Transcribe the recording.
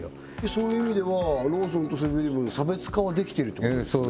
そういう意味ではローソンとセブン−イレブン差別化はできてるってことですね？